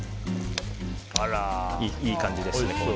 いい感じですね。